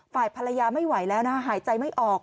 ฝ่ายภรรยาไม่ไหวแล้วนะหายใจไม่ออก